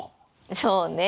そうね。